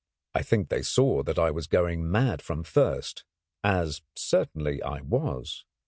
I think they saw that I was going mad from thirst, as certainly I was.